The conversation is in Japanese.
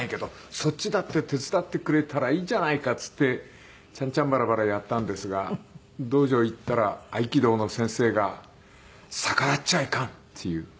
そっちだって手伝ってくれたらいいじゃないか」って言ってチャンチャンバラバラやったんですが道場行ったら合気道の先生が「逆らっちゃいかん」っていう。